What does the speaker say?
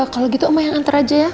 kalau gitu oh yang antar aja ya